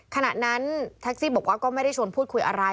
ขณะนั้นแท็กซี่บอกว่าก็ไม่ได้ชวนพูดคุยอะไร